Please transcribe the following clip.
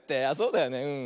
あっそうだよね。